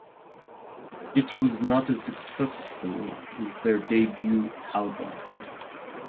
It was not as successful as their debut album.